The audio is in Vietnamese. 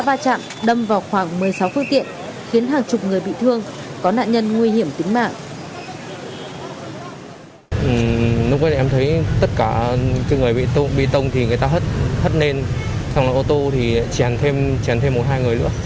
va chạm đâm vào khoảng một mươi sáu phương tiện khiến hàng chục người bị thương có nạn nhân nguy hiểm tính mạng